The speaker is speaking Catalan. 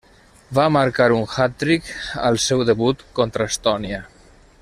Va marcar un hat-trick al seu debut, contra Estònia.